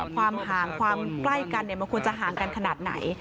ความห่างความใกล้กันมันควรจะห่างกันขนาดไหน